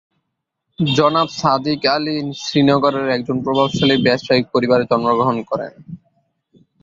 জনাব সাদিক আলী শ্রীনগর এর একজন প্রভাবশালী ব্যবসায়িক পরিবারে জন্মগ্রহণ করেন।